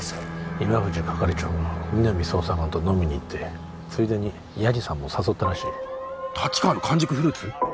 今藤係長が皆実捜査官と飲みに行ってついでにヤジさんも誘ったらしい立川の「完熟フルーツ」？